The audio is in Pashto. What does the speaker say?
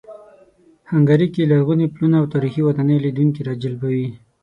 هنګري کې لرغوني پلونه او تاریخي ودانۍ لیدونکي راجلبوي.